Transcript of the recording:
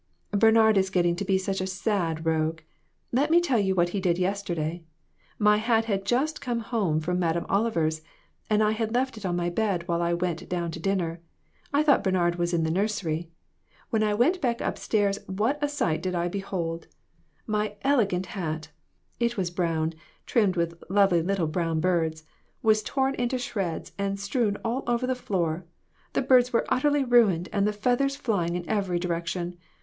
" Bernard is getting to be a sad rogue. Let me tell you what he did yesterday. My hat had just come home from Madame Oliver's, and I had left it on my bed while I went down to dinner. I thought Bernard was in the nursery. When I went back up stairs, what a sight did I behold ! My elegant hat it was brown, trimmed with lovely little brown birds was torn into shreds and strewn over the floor, the birds were utterly ruined and the feathers flying in every direction